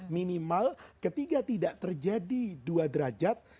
minimal ketika tidak terjadi dua derajat